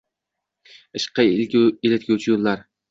ishqqa eltguvchi yoʼllar